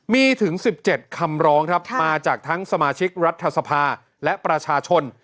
มีถึง๑๗คำร้องครับมาจากทั้งสมาชิกรัฐสภาและประชาชน